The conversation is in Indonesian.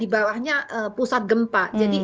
itu sebenarnya tren penitentari kutif